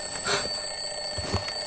あっ。